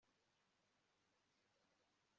Ni iki kidutera umwihariko